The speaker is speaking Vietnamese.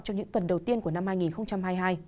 trong những tuần đầu tiên của năm hai nghìn hai mươi hai